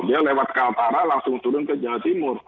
dia lewat kaltara langsung turun ke jawa timur